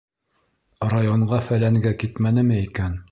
Районға-фәләнгә китмәнеме икән?